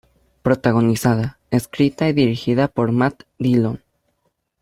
Protagonizada, escrita y dirigida por Matt Dillon.